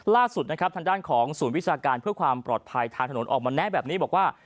ล่าสุดนะครับทางด้านของศูนย์วิชาการเพื่อความปลอดภัยทางถนนออกมาแนะแบบนี้บอกว่า